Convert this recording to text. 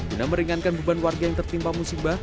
guna meringankan beban warga yang tertimpa musibah